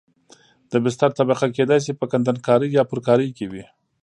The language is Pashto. د بستر طبقه کېدای شي په کندنکارۍ یا پرکارۍ کې وي